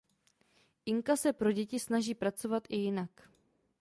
Inka se pro děti snaží pracovat i jinak.